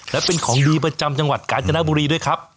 และเป็นของดีประจำจังหวัดกาญจนบุรีด้วยครับ